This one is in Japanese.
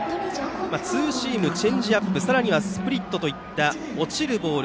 ツーシーム、チェンジアップさらにスプリットといった落ちるボール